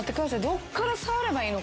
どっから触ればいいの？